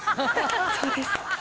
そうです。